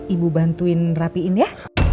ibu bantuin rapiin ya